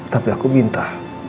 tapi aku minta